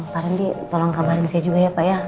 pak randy tolong kabarin saya juga ya pak ya